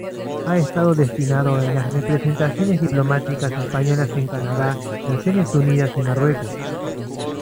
Ha estado destinado en las representaciones diplomáticas españolas en Canadá, Naciones Unidas y Marruecos.